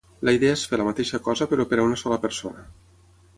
La idea és fer la mateixa cosa però per a una sola persona.